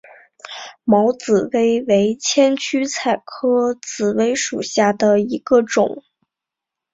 毛紫薇为千屈菜科紫薇属下的一个种。